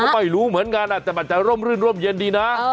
ไม่รู้เหมือนกันแต่มันจะร่มรื่นร่มเย็นดีนะ